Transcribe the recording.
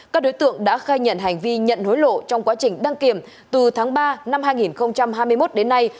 các đối tượng đã khai nhận hành vi nhận hối lộ trong quá trình đăng kiểm từ tháng ba năm hai nghìn hai mươi một đến nay